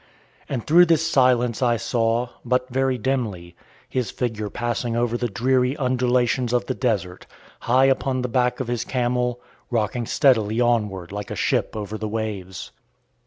And through this silence I saw, but very dimly, his figure passing over the dreary undulations of the desert, high upon the back of his camel, rocking steadily onward like a ship over the waves.